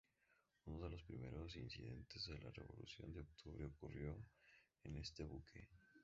Uno de los primeros incidentes de la revolución de octubre ocurrió en este buque.